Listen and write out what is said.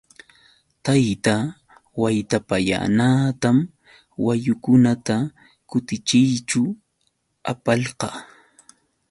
Tayta Waytapallanatam wayukunata kutichiyćhu apalqaa.